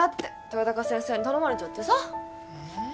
豊高先生に頼まれちゃってさえ？